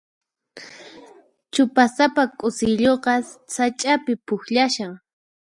Chupasapa k'usilluqa sach'api pukllashan.